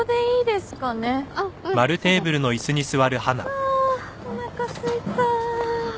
はぁおなかすいた。